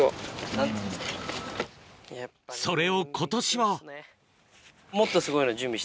それを今年はえっ？